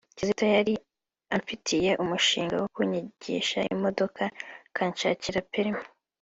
Kizito yari amfitiye umushinga wo kunyigisha imodoka akanshakira Perimi (driving license)